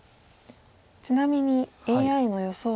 ちなみにＡＩの予想